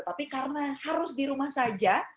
tapi karena harus di rumah saja